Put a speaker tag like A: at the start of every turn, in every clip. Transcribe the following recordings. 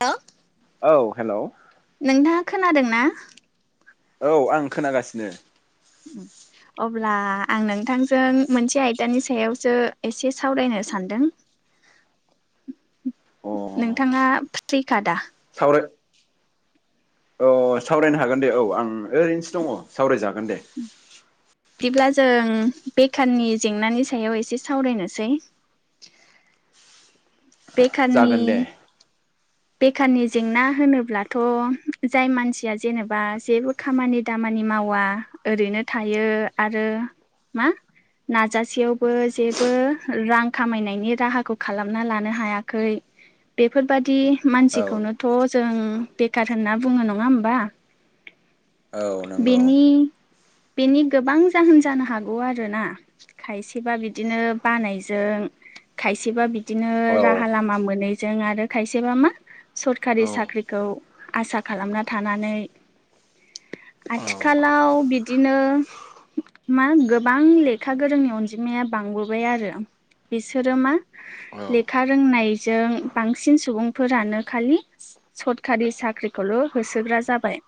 A: ह [unintelligible]
B: औ हेल'।
A: नोंथाङा खोनादों ना?
B: औ आं खोनागासिनो।
A: उ [unintelligible] अब्ला आं नोंथांजों मोनसे आयदानि सायावसो एसे सावरायनो सानदों
B: अ
A: नोंथाङा फ्रिकादा
B: सावराय [unintelligible] औ सावरायनो हागोन दे औ आं ओरैनोसो दङ सावरायजागोन दे
A: बिदिब्ला जों बेखारनि जेंनानि सायाव एसे सावरायनोसै बेखारनि
B: जागोन दे
A: बेखारनि जेंना होनोब्लाथ' जाय मानसिया जेनेबा जेबो खामानि दामानि मावा ओरैनो थायो आरो मा नाजासेयावबो जेबो रां खामायनायनि राहाखौ खालामना लानो हायाखै। बेफोरबादि
B: औ
A: मानसिखौनोथ' जों बेखार होनना बुङो नङा होमबा?
B: औ नंगौ।
A: बेनि बेनि गोबां जाहोन जानो हागौ आरोना। खायसेबा बिदिनो बानायजों खायसेबा बिदिनो
B: औ
A: राहा लामा मोनैजों आरो खायसेबा मा
B: औ
A: सरखारि साख्रिखौ आसा खालामना थानानै
B: औ
A: आथिखालाव बिदिनो मा गोबां लेखा गोरोंनि अनजिमाया बांबोबाय आरो। बिसोरो मा लेखा रोंनायजों बांसिन सुबुं फोरानो खालि सरखारि साख्रिखौल' होसोग्रा जाबाय।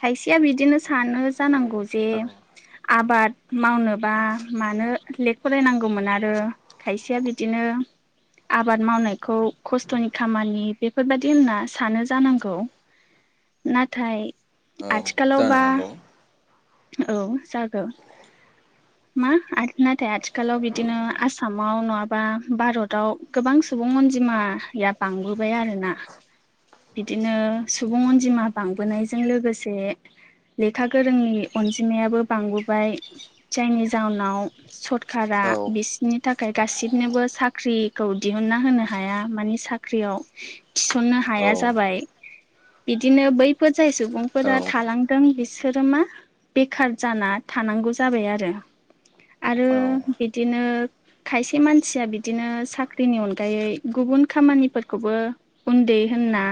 A: खायसेया बिदिनो सानो जानांगौ जे
B: औ
A: आबाद मावनोबा मानो लेक फरायनांगौमोन आरो। खायसेया बिदिनो आबाद मावनायखौ खस्थ'नि खामानि बेफोरबादि होनना सानो जानांगौ, नाथाय
B: औ जानो
A: आथिखालावबा
B: हागौ
A: औ जागोन मा नाथाय आथिखालाव बिदिनो आसामाव नङाबा भारताव गोबां सुबुं अनजिमाया बांबोबाय आरोना। बिदिनो सुबुं अनजिमा बांबोनायजों लोगोसे लेखा गोरोंनि अनजिमायाबो बांबोबाय जायनि जाउनाव सरखारा
B: औ
A: बिसनि थाखाय गासिनोबो साख्रिखौ दिहुनना होनो हाया मानि सा ख्रियाव थिसननो
B: औ
A: हाया जाबाय। बिदिनो बैफोर जाय
B: औ
A: सुबुंफोरा थालांदों बिसोरो मा? बेखार जाना थानांगौ जाबाय आरो, आरो बिदिनो खायसे मानसिया बिदिनो साख्रिनि अनगायै गुबुन खामानिफोरखौबो उन्दै होनना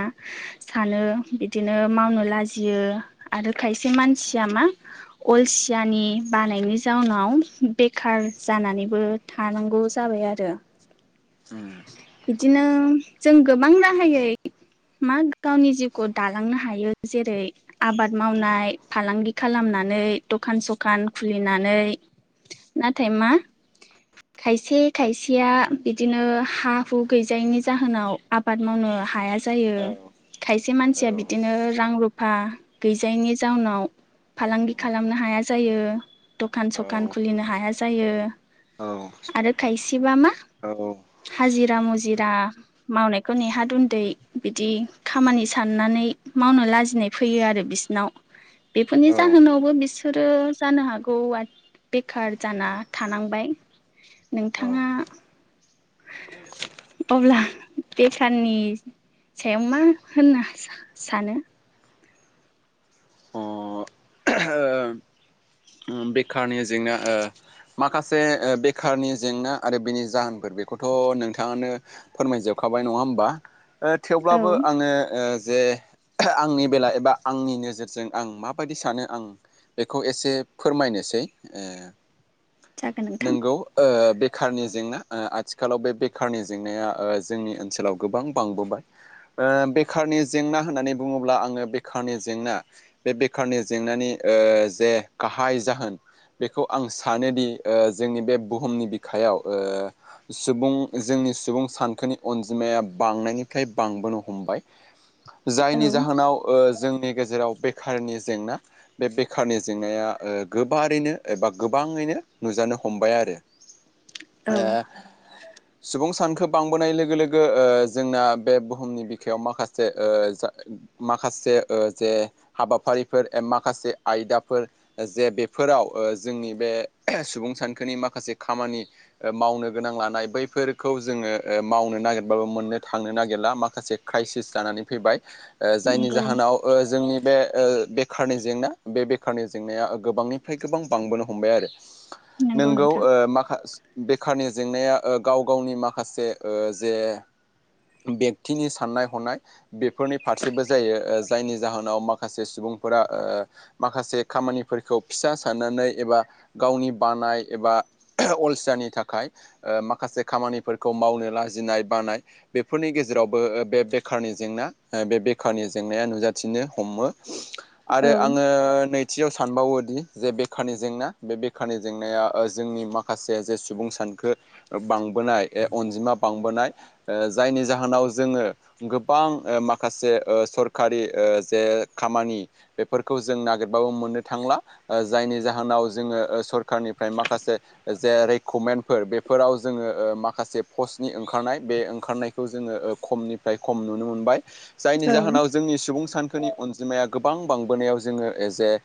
A: सानो बिदिनो मावनो लाजियो आरो खायसे मानसिया मा अलसियानि बानायनि जाउनाव बेखार जानानैबो थानांगौ जाबाय आरो।
B: [unintelligible]
A: बिदिनो जों गोबां राहायै मा गावनि जिउखौ दालांनो हायो जेरै आबाद मावनाय फालांगि खालामनानै दखान सखान खुलिनानै, नाथाय मा खायसे खायसेया इदिनो, हा हु गैजायैनि जाहोनाव आबाद मावनो हाया जायो।
B: औ
A: खायसे
B: औ
A: मानसिया बिदिनो रां रुफा गैजायैनि जाउनाव, फालांगि खालामनो हाया जायो दखान सखान खुलिनो हाया जायो।
B: औ
A: आरो खायसेबा मा
B: औ
A: हाजिरा मुजिरा मावनायखौ नेहाद उन्दै बिदि खामानि साननानै मावनो लाजिनाय फैयो आरो बिसो नाव बेफोरनि जाहोनावबो बिसोरो जानो हागौ। बेखार जाना थानांबाय,
B: औ
A: नोंथाङा अब्ला बेखाननि सायाव मा होनना सा सानो?
B: औ [unintelligible] बेखारनि जेंना ओ माखासे बेखारनि जेंना आरो बिनि जाहोनफोर बेखौथ' नोंथाङानो फोरमायजोबखाबाय नङा होमबा? थेवब्लाबो
A: औ
B: आङो ओ जे आंनि बेला एबा आंनि नोजोरजों आं माबायदि सानो आं बेखौ एसे, फोरमायनोसै ओ
A: जागोन नोंथां
B: नोंगौ बेखारनि जेंना आथिखालाव बे बेखारनि जेंनाया जोंनि ओनसोलाव गोबां बांबोबाय ओ बेखारनि जेंना होननानै बुङोब्ला आङो बेखारनि जेंना बे बेखारनि जेंनानि जे गाहाय जाहोन बेखौ आं सानोदि ओ जोंनि बे बुहुमनि बिखायाव सुबुं जोंनि सुबुं सानखोनि अनजिमाया बांनायनिफ्राय बांबोनो हमबाय
A: [inaudible]
B: जायनि
A: औ
B: जाहोनाव ओ जोंनि गेजेराव बेखारनि जेंना बे बेखारनि जेंनाया ओ गोबारैनो एबा गोबाङैनो नुजानो हमबाय आरो ओ
A: औ
B: सुबुं सानखो बांबोनाय लोगो लोगो जोंना बे बुहुमनि बिखायाव माखासे ओ माखासे जे हाबाफारिफोर माखासे आयदाफोर जे बेफोराव जोंनि बे सुबुं सानखोनि माखासे खामानि मावनो गोनां लानाय बैफोरखौ जोङो मावनो नागिरबाबो मोननो थांनो नागिरला माखासे क्राइसिस जानानै फैबाय, जायनि
A: नंगौ
B: जाहोनाव ओ जोंनि बे बेखारनि जेंना बे बेखारनि जेंनाया गोबांनिफ्राय गोबां बांबोनो हमबाय आरो
A: नंगौ
B: नोंगौ
A: नोंथां
B: माखास बेखारनि जेंनाया ओ गाव गावनि माखासे जे बेक्तिनि साननाय हनाय बेफोरनि फारसेबो जायो जायनि जाहोनाव माखासे सुबुंफोरा ओ माखासे खामानिफोरखौ फिसा साननानै एबा गावनि बानाय एबा अलसियाानि थाखाय, माखासे खामानिफोरखौ मावनो लाजिनाय बानाय बेफोरनि गेजेरावबो बे बेखारनि जेंना बे बेखारनि जेंनाया नुजाथिनो हमो, आरो
A: औ
B: आङो नै खाथियाव सानबावोदि जे बेखारनि जेंना बे बेखारनि जेंनाया जोंनि माखासे जे सुबुं सान सानखो बांबोनाय अनजिमा बांबोनाय जायनि जाहोनाव जोङो, गोबां ओ माखासे ओ सरखारि ओ जे खामानि बेफोरखौ जों नागिर बाबो मोननो थांला जायनि जाहोनाव जोङो सरखारनिफ्राय माखासे जे रेक्रुमेन्टफोर बेफोराव जोङो माखासे पस्टनि ओंखारनाय बे ओंखारनाय खौ जोङो खमनिफ्राय खम नुनो मोनबाय, जायनि
A: औ
B: जाहोनाव जोंनि सुबुं सानखोनि अनजिमाया गोबां बांबोनायाव जोङो एजे ए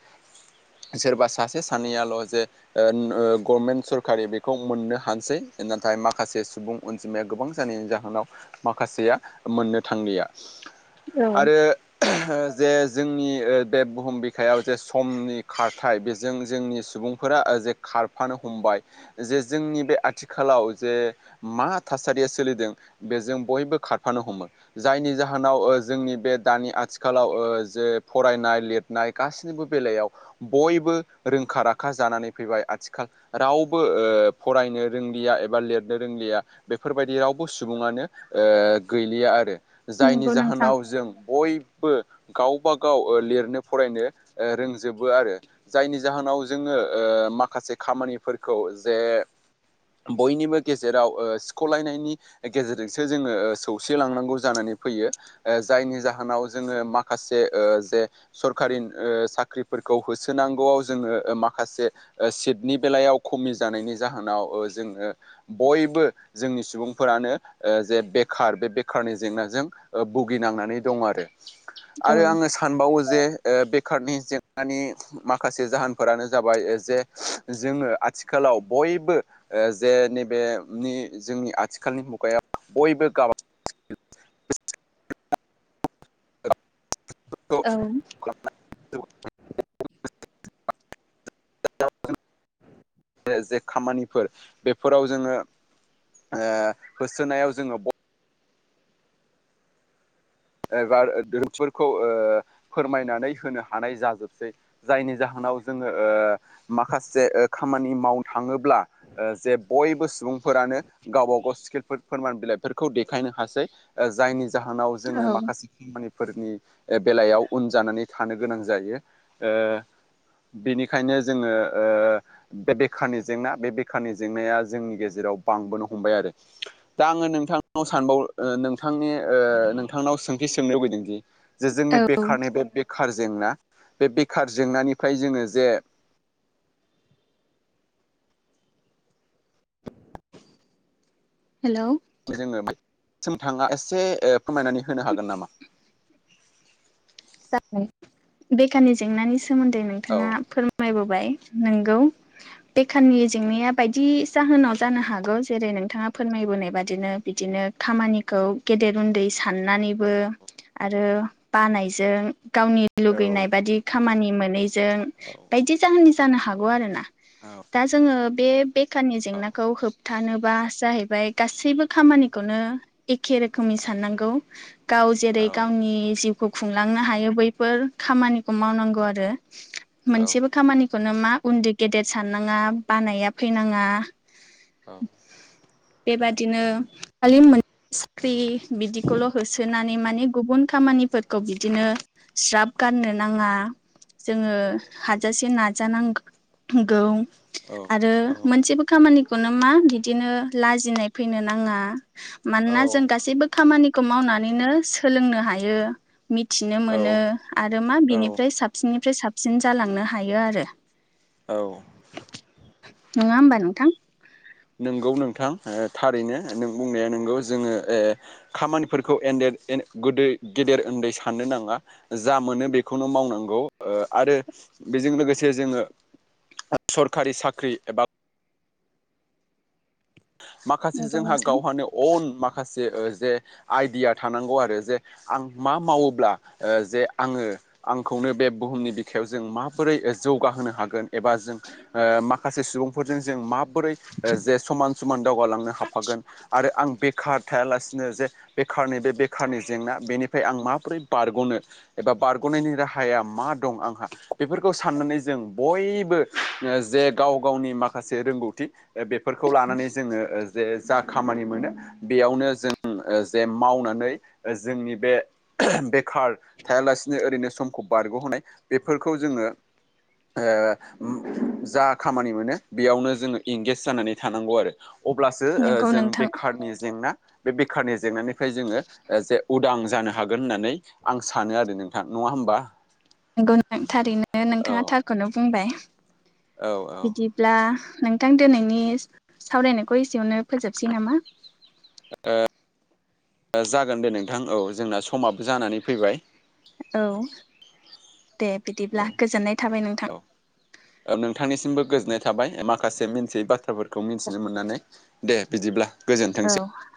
B: सोरबा सासे सानैयाल' जे गभर्नमेन्ट सरकारि बेखौ मोननो हानोसै नाथाय माखासे सुबुं अनजिमाया गोबां जानायनि जाहोनाव माखासेया मोननो थांलिया
A: औ
B: आरो जे जोंनि दब बुहुम बे बिखायाव जे समनि खारथाय बेजों जोंनि सुबुंफोरा जे खारफानो हमबाय जे जोंनि बे आथिखालाव जे मा थासारिया सोलिदों बेजों बयबो खारफानो हमो जायनि जाहोनाव जोंनि बे दानि आथिखालाव जे फरायनाय लिरनाय गाससिनिबो बेलायाव बयबो रोंखा राखा जानानै फैबाय आथिखाल रावबो ओ फरायनो रोंलिया एबा लिरनो रोंलिया बेफोरबायदि रावबो सुबुङानो गैलिया आरो जायनि
A: नंगौ नोंथां
B: जाहोनाव जों बयबो गावबाागाव लिरनो फरायनो रोंजोबो आरो जायनि जाहोनाव जोङो ओ माखासे खामानिफोरखौ जे बयनिबो गेजेराव ओ सिख'लायनायनि गेजेरजोंसो जोङो सौसिलांनांगौ जानानै फैयो जायनि जाहोनाव जोङो माखासे जे सरकारि साख्रिफोरखौ होसोनांगौआव जोङो माखासे सिटनि बेलायाव खमि जानायनि जाहोनाव जोङो बयबो जोंनि सुबुंफोरानो जे बेखार बे बेखारनि जेंनाजों भुगिनांनानै दं आरो
A: औ
B: आरो आङो सानबावो जे सखारनि जेंनानि माखासे जाहोनफोरानो जाबाय जे जोङो आथिखालाव बयबो जे नैबे जोंनि आथिखालनि मुगायाव बयबो गाबां
A: औ
B: [inaudible] जे खामानिफोर बेफोराव जोङो होसोनायाव जोङो एबाफोरखौ फोरमायनानै होनो हानाय जाजोबसै जायनि जाहोनाव जोङो माखासे खामानि मावनो थाङोब्ला जे बयबो सुबुंफोरानो गावबा गाव स्किलफोर फोरमान बिलाइफोरखौ देखायनो हासै जायनि जाहोनाव जोङो
A: औ
B: माखासे खामानिफोरनि बेलायाव उन जानानै थानो गोनां जायो बेनिखायनो जोङो बे बेखारनि जेंना बे बेखारनि जेंनाया जोंनि गेजेराव बांबोनो हमबाय आरो दा आङो नोंथांनाव सानबाव नोंथांनि ओ बिथांनाव सोंथि सोंनो लुबैदोंदि जे जोंनि
A: औ
B: बेखारनि बे बेखार जेंना बे बेखार जेंनानिफ्राय जोङो जे
A: हेल'
B: जोङो सोमथाङा एसे फोरमायनानै होनो हागोन नामा
A: जागोन बेखारनि जेंनानि सोमोन्दै
B: औ
A: नोंथाङा फोरमायबोबाय नोंगौ बेखाराननि जेंनाया बायदि जाहोनाव जानो हागौ जेरै नोंथाङा फोरमायबोनाय बादिनो बिदिनो खामानिखौ गेदेर उन्दै साननानैबो आरो बानाय गावनि
B: औ
A: लैनाय बादि खामनि मोनैजों बायदि जहोन जानो हागौ आरो ना
B: औ
A: दा जोङो बे बेखारनि जेंनाखौ होबथानोबा जाहैबाय गासैबो खामानिखौनो एखे रोखोमनि साननांगौ गाव
B: औ
A: जेरै गावनि जिउ खुंलांनो हायो बैफोर खामानिखौ मावनांगौ आरो
B: औ
A: मोनसेबो खामानि बेखौनो मा उन्दै गेदेर साननाङा बानाया फैनाङा बेबादिनो खालि मोनसे साख्रि बिदिखौल' होसोनानै माने गुबुन खामानि खौ बिदिनो स्राब गाननो नाङा जोङो हाजासे नाजानांगौ
B: औ
A: आरो मोनसे खामानिखौनो मा बिदिनो लाजिनाय फैनो नाङा। मानोना जों गासैबो खामानिखौ मावनानैनो सोलोंनो हायो मिथिनो
B: औ
A: मोनो आरो मा बिनिफ्राय साबसिननिफ्राय साबसिन जालांनो हायो आरो
B: औ
A: नङा होमबा नोंथां
B: नोंगौ नोंथां थारैनो नों बुंनाया नोंगौ जोङो खामानिफोरखौ एदेर गोदो गेदेर उन्दै साननो नाङा जा मोनो बेखौनो मावनांगौ आरो बेजों लोगोसे जोङो सरखारि साख्रि एबा माखासे
A: नंगौ
B: जोंहा
A: नोंथां
B: गावहानो अन माखासे ओ जे आइडिया थानांगौ आरो जे आं मा मावोब्ला ओ जे आङो आंखौनो बे बुहुमनि बिखायाव जों माबोरै ओ जौगाहोनो हागोन एबा जों ओ माखासे सुबुंफोरजों जों मा हरै ओ जे समान समान दावगालांनो हाफागोन आरो आ आं बेखार थायालासिनो जे बेखारनि बे बेखारनि जेंना बेनिफ्राय आं माबोरै बारग'नो एबा बारग'नायनि राहाया मा दं आंहा बेफोरखौ साननानै जों बयबो ओ जे गाव गावनि माखासे रोंगौथि ओ बेफोरखौ लानानै जोङो ओ जे जा खामानि मोनो बेयावनो जों ओ जे मावनानै जोंनि बे बेखार थायालासिनो ओरैनो समखौ बारग'होनाय बेफोरखौ जोङो ओ जा खामानि मोनो बेयावनो जोङो एंगेज जानानै थानांगौ आरो। अब्लासो ओ‌
A: नंगौ
B: जों
A: नोंथां
B: बेखारनि जेंना बे बेखारनि जेंनानिफ्राय जोङो ओ जे उदां जानो हागोन होननानै आं सानो आरो नोंथां। नङा होमबा?
A: नंगौ [unintelligible] थारैनो
B: औ
A: नोंथाङा थारखौनो बुंबाय।
B: औ औ
A: बिदि ब्ला नोंथां दिनैनि सावरायनायखौ एसेयावनो फोजोबसै नामा?
B: ओ जागोन दे नोंथां औ जोंना समाबो जानानै फैबाय‌।
A: औ दे बिदिब्ला गोजोननाय थाबाय नोंथां।
B: ओ नोंथांनिसिमबो गोजोननाय थाबाय माखासे मिन्थियै बाथ्राफोरखौ मिन्थिनो मोननानै। दे बिदिब्ला गोजोन
A: औ।